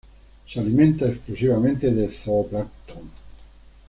Se alimenta exclusivamente de zooplancton.